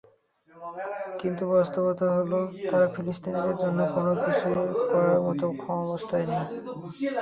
কিন্তু বাস্তবতা হলো, তারা ফিলিস্তিনিদের জন্য কোনো কিছু করার মতো অবস্থায় নেই।